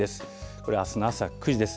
これ、あすの朝９時です。